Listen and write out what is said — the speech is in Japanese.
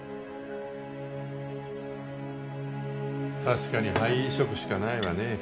確かに肺移植しかないわね。